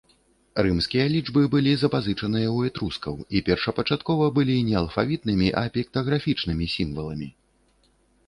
Рымскія лічбы былі запазычаныя ў этрускаў і першапачаткова былі не алфавітнымі, а піктаграфічнымі сімваламі.